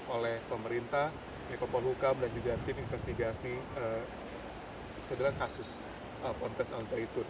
oleh pemerintah ekonomi hukum dan juga tim investigasi sebenarnya kasus ponpes al zaitun